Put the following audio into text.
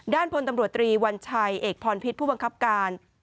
พลตำรวจตรีวัญชัยเอกพรพิษผู้บังคับการ